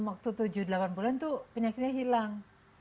waktu tujuh delapan bulan itu penyakitnya hilang